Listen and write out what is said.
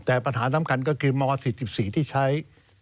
แต่ปัญหาสำคัญก็คือม๔๔ที่ใช้